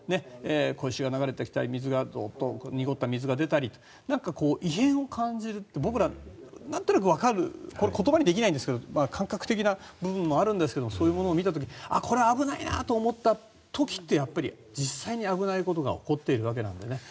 小石が流れてきたりドッと濁った水が出たりなんか、異変を感じるって僕ら、なんとなくわかる言葉にできないんですが感覚的な部分もあるんですがそういうものを見た時これは危ないなと思った時ってやっぱり実際に危ないことが起こっているわけなんでね。